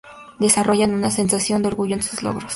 Desarrollan una sensación de orgullo en sus logros.